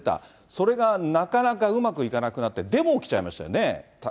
それがなかなかうまくいかなくなって、デモ起きちゃいましたよね。